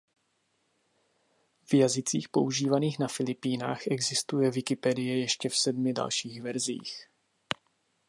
V jazycích používaných na Filipínách existuje Wikipedie ještě v sedmi dalších verzích.